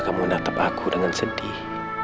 kamu menatap aku dengan sedih